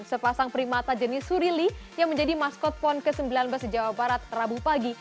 sepasang primata jenis surili yang menjadi maskot pon ke sembilan belas di jawa barat rabu pagi